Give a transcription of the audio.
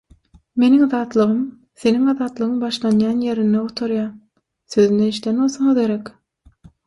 "Meniň azatlygym, seniň azatlygyň başlanýan ýerinde gutarýar." sözüni eşiden bolsaňyz gerek.